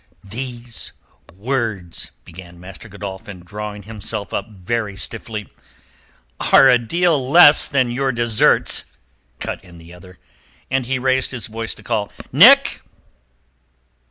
"These words...." began Master Godolphin, drawing himself up very stiffly. "Are a deal less than your deserts," cut in the other, and he raised his voice to call—"Nick."